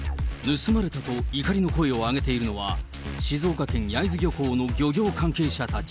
盗まれたと怒りの声を上げているのは、静岡県焼津漁港の漁業関係者たち。